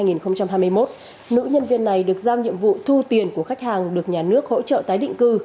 nữ nhân viên này được giao nhiệm vụ thu tiền của khách hàng được nhà nước hỗ trợ tái định cư